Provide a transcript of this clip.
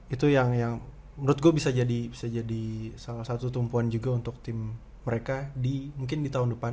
itu yang menurut gue bisa jadi salah satu tumpuan juga untuk tim mereka mungkin di tahun depan